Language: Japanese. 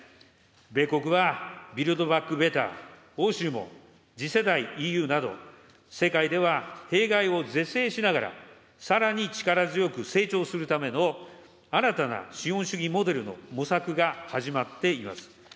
米国はビルド・バック・ベター、欧州も次世代ＥＵなど、世界では弊害を是正しながら、さらに力強く成長するための、新たな資本主義モデルの模索が始まっています。